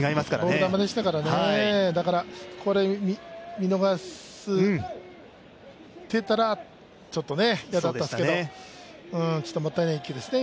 ボール球でしたから、これを見逃してたらちょっとね、嫌だったですけどちょっともったいない１球でしたね